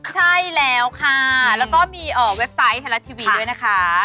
ใช่แล้วค่ะแล้วก็มีเว็บไซต์ไทยรัฐทีวีด้วยนะคะ